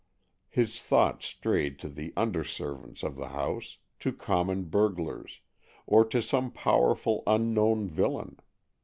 His thoughts strayed to the under servants of the house, to common burglars, or to some powerful unknown villain.